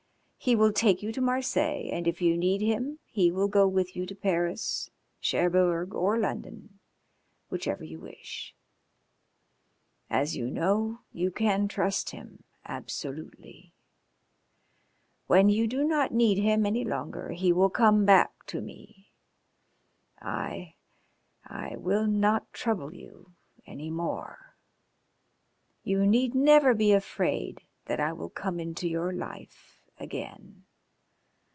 He will take you to Marseilles, and if you need him he will go with you to Paris, Cherbourg, or London whichever you wish. As you know, you can trust him absolutely. When you do not need him any longer, he will come back to me. I I will not trouble you any more. You need never be afraid that I will come into your life again.